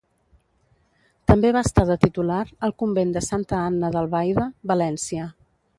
També va estar de titular al convent de Santa Anna d'Albaida, València.